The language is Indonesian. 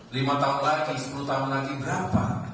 lima tahun lagi sepuluh tahun lagi berapa